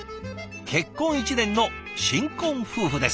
「結婚１年の新婚夫婦です。